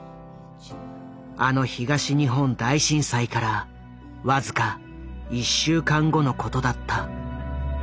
あの東日本大震災からわずか１週間後のことだった。